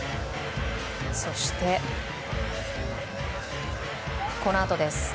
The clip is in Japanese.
そして、このあとです。